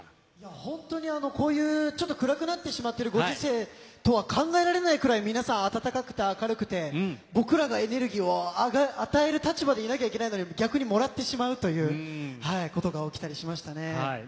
本当に暗くなってしまっているご時世とは考えられないくらい、皆さん温かくて明るくて、僕らがエネルギーを与える立場なんですけれど、もらってしまうということが起きたりしましたね。